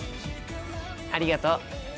ありがとう。